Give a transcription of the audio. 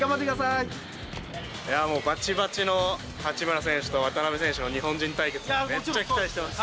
いやぁ、もうばちばちの八村選手と、渡邊選手の日本人対決をね、めっちゃ期待してます。